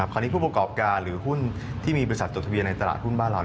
ผู้ประกอบการหรือหุ้นที่มีบริษัทจดทะเบียนในตลาดหุ้นบ้านเรา